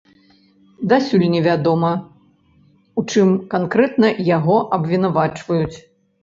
Дасюль невядома, у чым канкрэтна яго абвінавачваюць.